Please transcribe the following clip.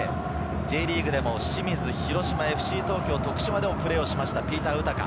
Ｊリーグでも清水、広島、ＦＣ東京、徳島でもプレーしました、ピーター・ウタカ。